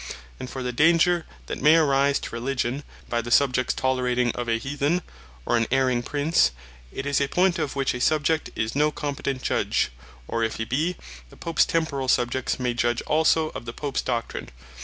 And for the danger that may arise to Religion, by the Subjects tolerating of an Heathen, or an Erring Prince, it is a point, of which a Subject is no competent Judge; or if hee bee, the Popes Temporall Subjects may judge also of the Popes Doctrine.